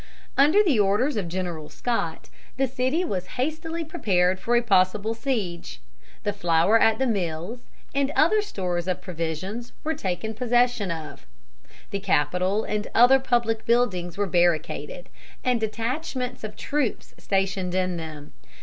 Under the orders of General Scott, the city was hastily prepared for a possible siege. The flour at the mills, and other stores of provisions were taken possession of. The Capitol and other public buildings were barricaded, and detachments of troops stationed in them.